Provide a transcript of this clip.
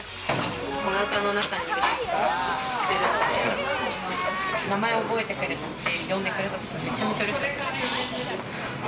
お腹の中にいる時から知ってるので名前を覚えてくれて呼んでくれたとき、めちゃめちゃうれしかった。